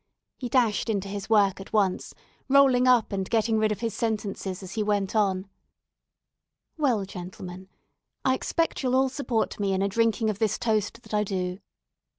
He dashed into his work at once, rolling up and getting rid of his sentences as he went on: "Well, gentlemen, I expect you'll all support me in a drinking of this toast that I du